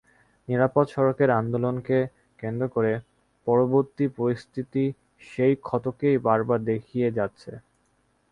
নিরাপদ সড়কের আন্দোলনকে কেন্দ্র করে পরবর্তী পরিস্থিত সেই ক্ষতকেই বারবার দেখিয়ে দিচ্ছে।